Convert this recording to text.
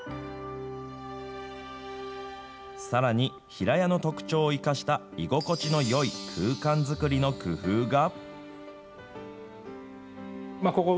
さらに平屋の特徴を生かした居心地のよい空間作りの工夫が。